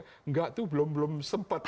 tidak itu belum belum sempat